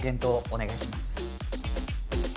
お願いします。